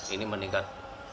ini meningkat dua puluh lima